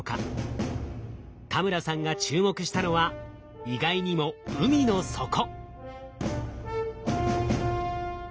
田村さんが注目したのは意外にも海の底。